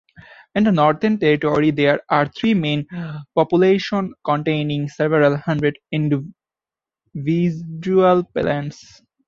In the Northern territory there are three main populations containing several hundred individual plants.